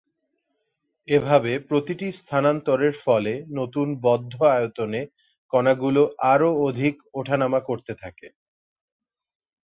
এভাবে প্রতিটি স্থানান্তরের ফলে নতুন বদ্ধ আয়তনে কণাগুলো আরও অধিক ওঠানামা করতে থাকে।